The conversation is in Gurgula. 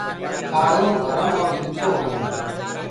ڪآڙهو گرم اور ميِٺو هوندو هي۔